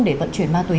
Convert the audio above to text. để vận chuyển ma túy